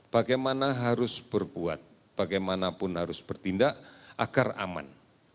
bagaimana harus berbuat bagaimanapun harus bertindak agar aman